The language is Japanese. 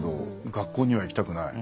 学校には行きたくない。